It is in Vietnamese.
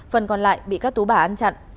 phần còn lại bị các tú bà ăn chặn